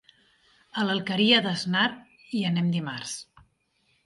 A l'Alqueria d'Asnar hi anem dimarts.